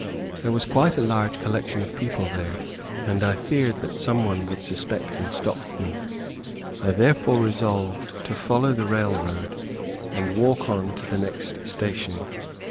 There was quite a large collection of people there, and I feared that some one would suspect and stop me. I therefore resolved to follow the railroad, and walk on to the next station.